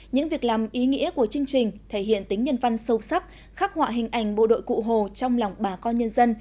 những việc làm ý nghĩa của chương trình thể hiện tính nhân văn sâu sắc khắc họa hình ảnh bộ đội cụ hồ trong lòng bà con nhân dân